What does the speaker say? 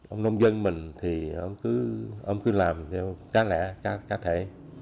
ông nông dân mình thì ông cứ làm theo cá lẻ cá thể